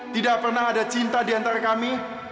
tidak pernah ada cinta di antara kami